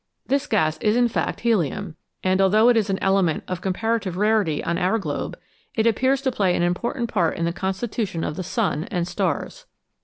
This gas is, in fact, helium, and although it is an element of comparative rarity on our globe, it appears to play an important part in the constitution of the sun and stars.